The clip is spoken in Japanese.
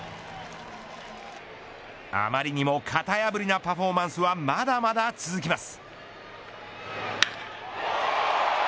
あまりにも型破りなパフォーマンスはまだまだ続きます。